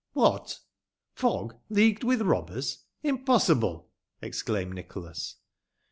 What ! Fogg leagued with robbers — impossible !" exclaimed Nicholas.